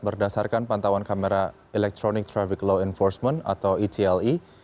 berdasarkan pantauan kamera electronic traffic law enforcement atau etle